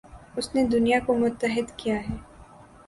اس نے دنیا کو متحد کیا ہے